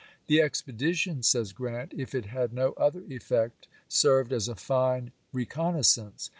" The expedition," says Grrant, " if it had no other effect, served as a fine recon naissance."